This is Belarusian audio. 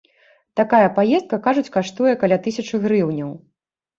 Такая паездка, кажуць, каштуе каля тысячы грыўняў.